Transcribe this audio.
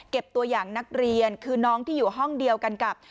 ตัวอย่างนักเรียนคือน้องที่อยู่ห้องเดียวกันกับ